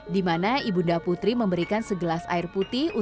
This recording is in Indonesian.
dimana ibu nda putri memberikan segelas air putih